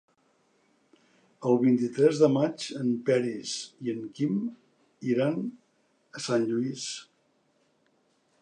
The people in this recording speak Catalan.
El vint-i-tres de maig en Peris i en Quim iran a Sant Lluís.